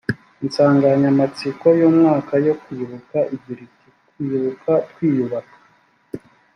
insanganyamatsiko y’umwaka yo kwibuka igira iti “kwibuka twiyubaka”